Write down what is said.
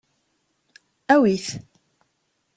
Awi-t!